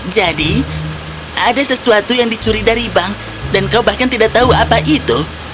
jadi ada sesuatu yang dicuri dari bank dan kau bahkan tidak tahu apa itu